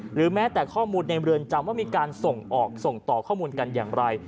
หรือแม้แต่ข้อมูลในเรือนจำว่ามีการส่งออกส่งต่อข้อมูลกันอย่างไร